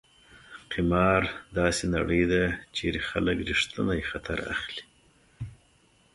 قمار: داسې نړۍ ده چېرې خلک ریښتینی خطر اخلي.